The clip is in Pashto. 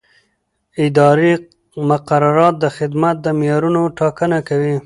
اداري مقررات د خدمت د معیارونو ټاکنه کوي.